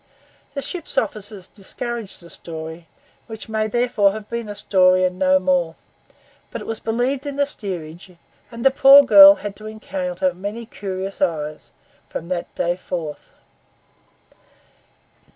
The ship's officers discouraged the story, which may therefore have been a story and no more; but it was believed in the steerage, and the poor girl had to encounter many curious eyes from that day forth.